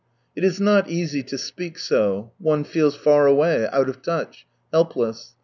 It is not easy to speak so. One feds far away, out of touch, helpless.